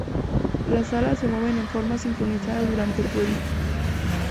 Las alas se mueven en forma sincronizada durante el vuelo.